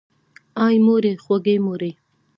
آی مورې خوږې مورې!